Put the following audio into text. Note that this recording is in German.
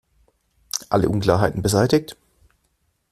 Alle Unklarheiten beseitigt?